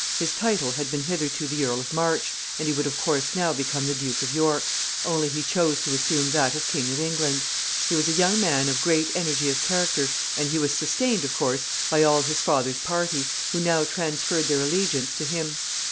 His title had been hitherto the Earl of March, and he would, of course, now become the Duke of York, only he chose to assume that of King of England. He was a young man of great energy of character, and he was sustained, of course, by all his father's party, who now transferred their allegiance to him.